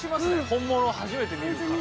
本物を初めて見るから。